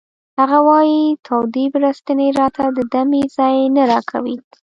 هغه وایی تودې بړستنې راته د دمې ځای نه راکوي